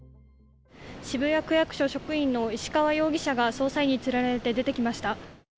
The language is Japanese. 渋谷区役所職員の石川容疑者が捜査員に連れられて出てきました。